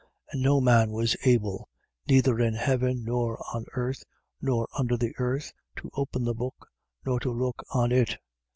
5:3. And no man was able, neither in heaven nor on earth nor under the earth, to open the book, nor to look on it.